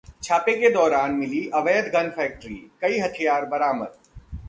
छापे के दौरान मिली अवैध गन फैक्ट्री, कई हथियार बरामद